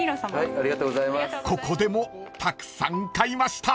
［ここでもたくさん買いました］